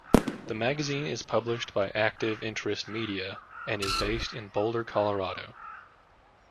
The magazine is published by Active Interest Media and is based in Boulder, Colorado.